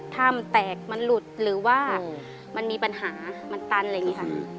ถ้ำแตกมันหลุดหรือว่ามันมีปัญหามันตันอะไรอย่างนี้ค่ะ